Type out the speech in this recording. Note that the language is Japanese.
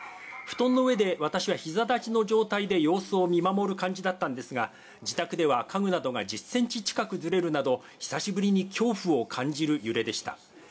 布団の上で私は膝立ちの状態で様子を見守る感じだったんですが、自宅では家具などが１０センチ近くずれるなど久しぶりに恐怖を感じる揺れでした。